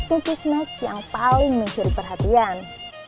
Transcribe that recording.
dan juga kutip smeg yang paling mencuri perhatian